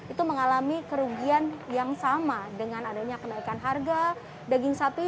itu mengalami kerugian yang sama dengan adanya kenaikan harga daging sapi